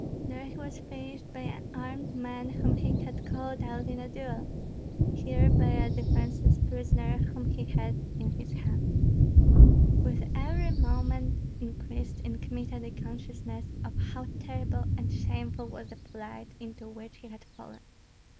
There he was finished by an armed man whom he had called out in a duel, here by a defenceless prisoner whom he had in his hand. With every moment increased in Kmita the consciousness of how terrible and shameful was the plight into which he had fallen.